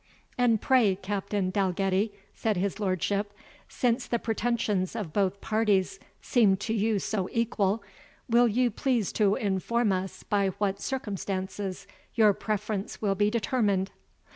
"And pray, Captain Dalgetty," said his lordship, "since the pretensions of both parties seem to you so equal, will you please to inform us by what circumstances your preference will be determined?"